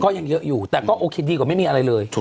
ยังเยอะอยู่แต่ก็โอเคดีกว่าไม่มีอะไรเลย